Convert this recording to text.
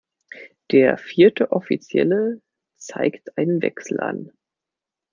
Der vierte Offizielle zeigt einen Wechsel an.